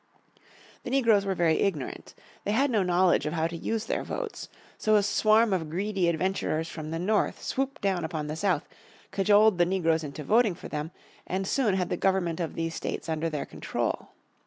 The negroes were very ignorant. They had no knowledge of how to use their votes. So a swarm of greedy adventurers from the North swooped down upon the South, cajoled the negroes into voting for them, and soon had the government of these states under their control.